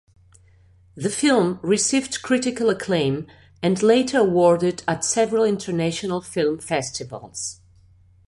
The film received critical acclaim and later awarded at several international film festivals.